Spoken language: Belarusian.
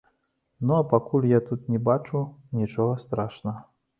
Ну а пакуль я тут не бачу нічога страшнага.